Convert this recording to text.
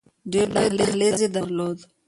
ډېر لوی دهلیز یې درلود.